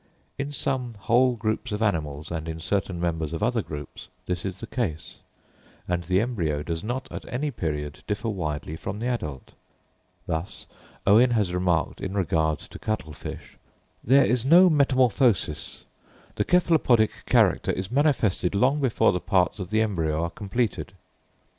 In some whole groups of animals and in certain members of other groups this is the case, and the embryo does not at any period differ widely from the adult: thus Owen has remarked in regard to cuttle fish, "there is no metamorphosis; the cephalopodic character is manifested long before the parts of the embryo are completed."